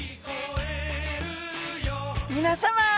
みなさま！